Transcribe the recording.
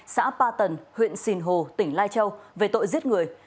xã ba tần huyện sìn hồ tỉnh lai châu về tội giết người